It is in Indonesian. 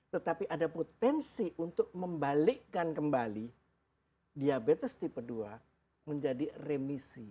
tetapi ada potensi untuk membalikkan kembali diabetes tipe dua menjadi remisi